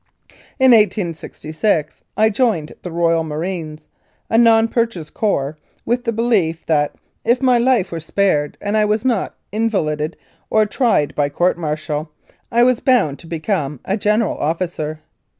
In 1866 I joined the Royal Marines, a non purchase corps, with the belief that if my life were spared and I was not invalided or tried by court martial, I was bound to become a general officer.